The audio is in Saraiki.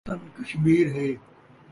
وطن کشمیر ہے